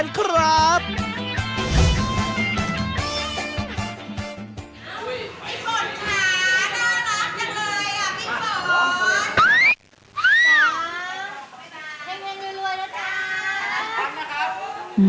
ไอ้ฝนค่าน่ารักจังเลยอ่ะพี่ฝน